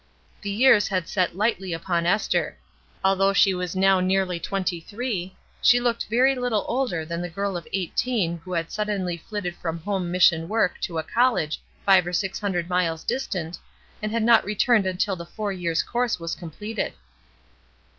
The years had set lightly upon Esther; al though she was now nearly twenty three, she looked very Uttle older than the girl of eighteen who had suddenly flitted from home mission work to a college five or six hundred miles dis tant, and had not returned until the four years' course was completed.